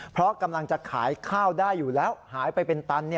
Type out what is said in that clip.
เพราะกำลังจะขายข้าวได้อยู่แล้วหายไปเป็นตัน